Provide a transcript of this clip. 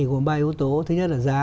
gồm ba yếu tố thứ nhất là giá